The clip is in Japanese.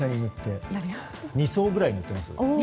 ２層ぐらい塗っています。